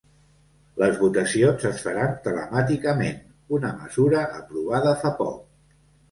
Les votacions es faran telemàticament, una mesura aprovada fa poc.